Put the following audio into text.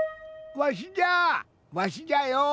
わしじゃわしじゃよ。